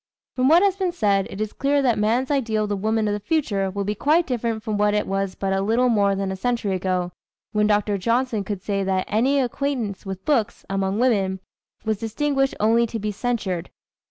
From what has been said, it is clear that man's ideal of the woman of the future will be quite different from what it was but a little more than a century ago, when Dr. Johnson could say that "any acquaintance with books," among women, "was distinguished only to be censured."